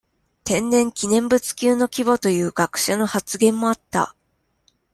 天然記念物級の規模という学者の発言もあった。